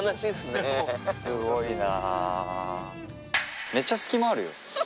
すごいな。